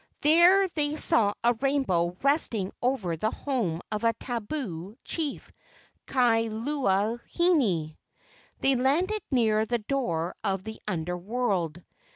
There they saw a rainbow resting over the home of a tabu chief, Ka lua hine. They landed near the door of the Under world.